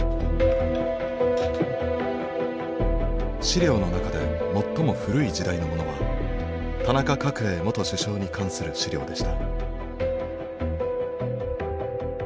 資料の中で最も古い時代のものは田中角栄元首相に関する資料でした。